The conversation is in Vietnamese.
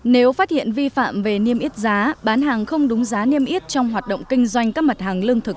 nếu phát hiện vi phạm về niêm yết giá bán hàng không đúng giá niêm yết trong hoạt động kinh doanh các mặt hàng lương thực